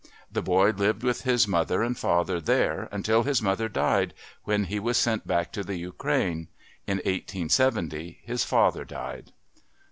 The boy lived with his mother and father there until his mother died, when he was sent back to the Ukraine. In 1870 his father died.